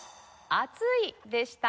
「暑い」でした。